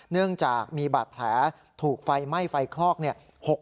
เนื่องจากมีบาดแผลถูกไฟไหม้ไฟคลอก